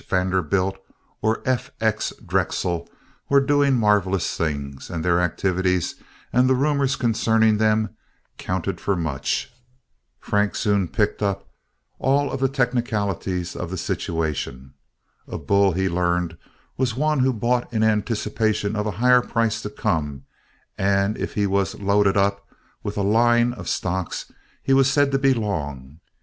Vanderbilt, or F. X. Drexel, were doing marvelous things, and their activities and the rumors concerning them counted for much. Frank soon picked up all of the technicalities of the situation. A "bull," he learned, was one who bought in anticipation of a higher price to come; and if he was "loaded up" with a "line" of stocks he was said to be "long."